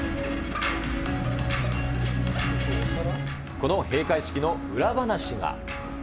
この閉会式の裏話が。